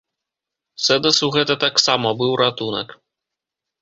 Сэдасу гэта таксама быў ратунак.